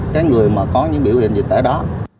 cái người mà có những biểu hiện dịch tễ đó